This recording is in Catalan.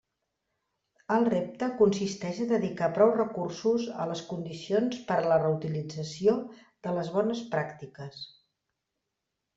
El repte consisteix a dedicar prou recursos a les condicions per a la reutilització de les bones pràctiques.